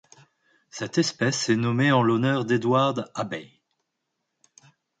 Cette espèce est nommée en l'honneur d'Edward Abbey.